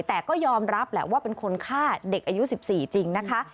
แต่ก็ยอมรับแหละว่าเป็นคนฆ่าเด็กอายุ๑๔จริงนะคะ